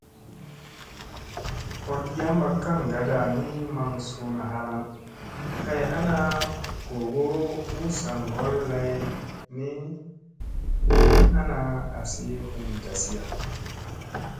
Hoɗ yamɓa kaŋgada ni maŋ suuna halaŋ, kay ana googo u saa ŋgol lay ni, min ana asi hum tasia.